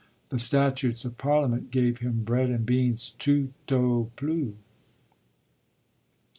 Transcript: The statutes of Parliament gave him bread and beans tout au plus.